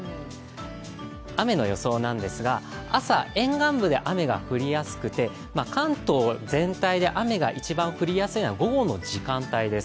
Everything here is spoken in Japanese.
雨の予想なんですが、朝沿岸部で雨が降りやすくて関東全体で雨が一番降りやすいのは午後の時間帯です。